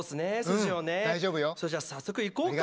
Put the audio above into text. それじゃあ早速いこうか。